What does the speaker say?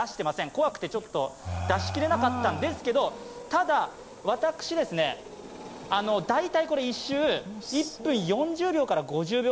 怖くてちょっと出しきれなかったんですけれども、ただ私、１周１分４０５０秒くらい。